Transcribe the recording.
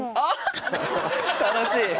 楽しい。